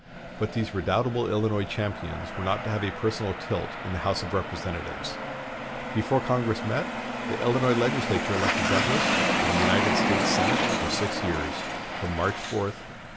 But these redoubtable Illinois champions were not to have a personal tilt in the House of Representatives. Before Congress met, the Illinois legislature elected Douglas to the United States Senate for six years from March 4, 1847.